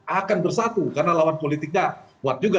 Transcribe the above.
akan bersatu karena lawan politiknya kuat juga